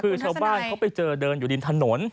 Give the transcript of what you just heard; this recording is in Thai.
คือชาวบ้านเขาไปเจอเดินอยู่ริมถนน